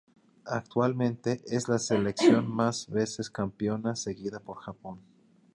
Actualmente es la selección más veces campeona seguida por Japón.